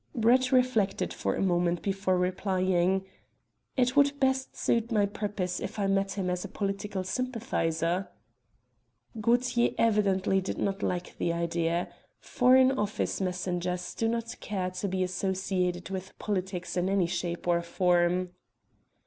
Brett reflected for a moment before replying. "It would best suit my purpose if I met him as a political sympathiser." Gaultier evidently did not like the idea. Foreign Office messengers do not care to be associated with politics in any shape or form.